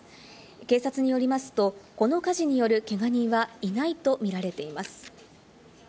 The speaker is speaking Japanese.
警察によりますと、この火事によるけが人はいないとみられています。